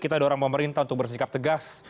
kita adalah orang pemerintah untuk bersikap tegas